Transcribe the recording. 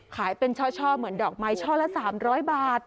ขายเป็นช่อเหมือนดอกไม้ช่อละ๓๐๐บาท